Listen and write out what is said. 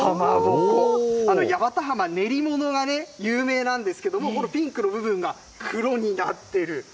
八幡浜、練り物がね、有名なんですけども、このピンクの部分が黒になってる。